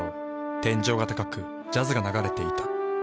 天井が高くジャズが流れていた。